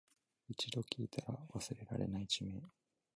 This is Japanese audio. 一度聞いたら忘れられない地名